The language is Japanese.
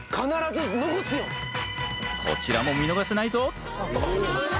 こちらも見逃せないぞ。